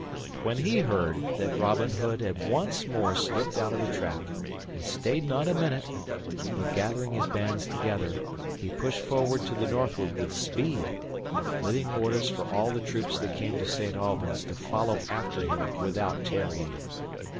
When he heard that Robin Hood had once more slipped out of the trap, he stayed not a minute, but, gathering his bands together, he pushed forward to the northward with speed, leaving orders for all the troops that came to Saint Albans to follow after him without tarrying.